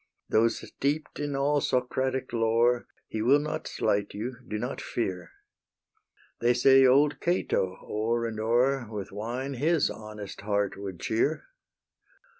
Though steep'd in all Socratic lore He will not slight you; do not fear. They say old Cato o'er and o'er With wine his honest heart would cheer.